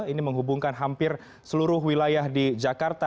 ini menghubungkan hampir seluruh wilayah di jakarta